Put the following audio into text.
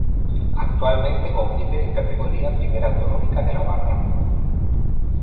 Actualmente compite en categoría Primera Autonómica de Navarra.